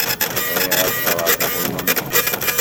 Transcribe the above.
Bɣiɣ ad ɣreɣ tahulandit.